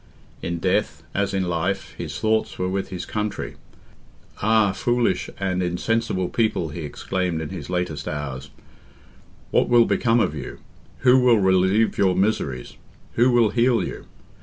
In death, as in life, his thoughts were with his country. "Ah, foolish and insensible people!" he exclaimed in his latest hours, "what will become of you? Who will relieve your miseries? Who will heal you?"